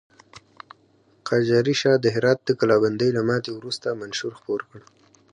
قاجاري شاه د هرات د کلابندۍ له ماتې وروسته منشور خپور کړ.